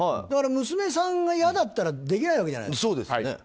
だから娘さんが嫌だったらできないわけじゃないですか。